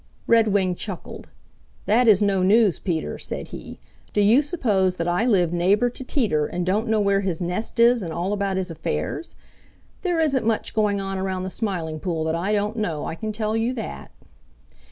Redwing chuckled. "That is no news, Peter," said he. "Do you suppose that I live neighbor to Teeter and don't know where his nest is and all about his affairs? There isn't much going on around the Smiling Pool that I don't know, I can tell you that."